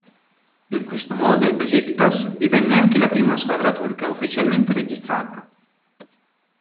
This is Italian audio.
In questo modo il Beşiktaş divenne anche la prima squadra turca ufficialmente registrata.